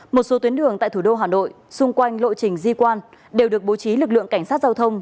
một số tuyến đường tại thủ đô hà nội xung quanh lộ trình di quan đều được bố trí lực lượng cảnh sát giao thông